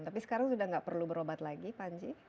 tapi sekarang sudah tidak perlu berobat lagi panji